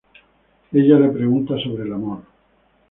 Ella le pregunta sobre el amor.